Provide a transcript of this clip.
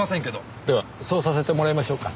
ではそうさせてもらいましょうか。